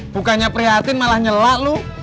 bukannya prihatin malah nyelak lu